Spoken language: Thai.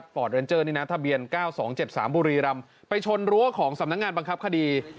เรนเจอร์นี่นะทะเบียน๙๒๗๓บุรีรำไปชนรั้วของสำนักงานบังคับคดี